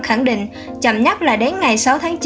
khẳng định chậm nhất là đến ngày sáu tháng chín